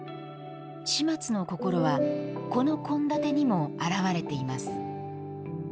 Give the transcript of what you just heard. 始末の心は、この献立にもあらわれています。